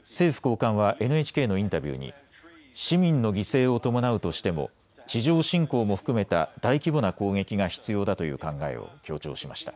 政府高官はＮＨＫのインタビューに市民の犠牲を伴うとしても地上侵攻も含めた大規模な攻撃が必要だという考えを強調しました。